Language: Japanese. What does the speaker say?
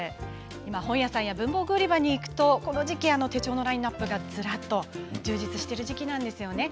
今、本屋さんや文房具売り場に行くとこの時期手帳のラインナップがずらりと充実している時期ですね。